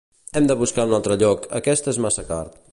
Hem de buscar un altre lloc, aquest és massa car